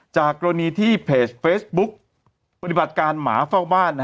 จากกรณีที่เพจเฟซบุ๊กปฏิบัติการหมาเฝ้าบ้าน